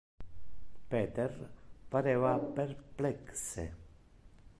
Peter pareva perplexe.